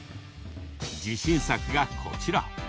自信作がこちら。